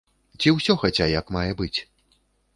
Ці ўсё хаця як мае быць?